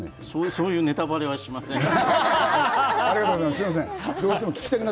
そういうネタバレとかはしません。